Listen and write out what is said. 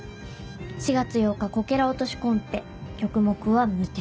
「４月８日こけら落としコンペ曲目は未定」。